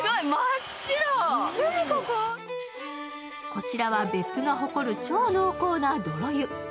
こちらは別府が誇る超濃厚な泥湯。